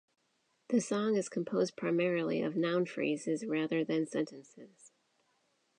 The song is composed primarily of noun phrases rather than sentences.